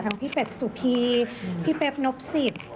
พี่เป็ดสุพีพี่เป๊บนบสิทธิ์